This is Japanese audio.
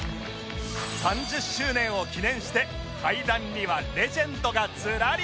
３０周年を記念して階段にはレジェンドがズラリ！